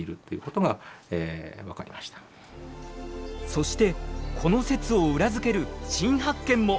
そしてこの説を裏付ける新発見も！